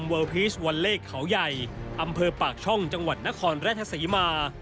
พรีชวันเลขเขาใหญ่อำเภอปากช่องจังหวัดนครราชศรีมา